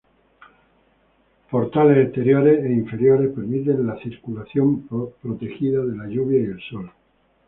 Portales exteriores e interiores permiten la circulación protegida de la lluvia y el sol.